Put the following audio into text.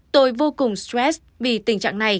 tôi vô cùng stress vì tình trạng này